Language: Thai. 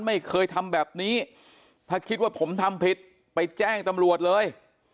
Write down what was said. ไม่เคยทำแบบนี้ถ้าคิดว่าผมทำผิดไปแจ้งตำรวจเลย